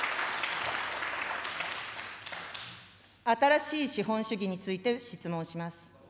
新しい資本主義について質問します。